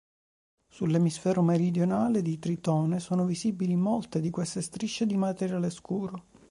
Sull'emisfero meridionale di Tritone sono visibili molte di queste strisce di materiale scuro.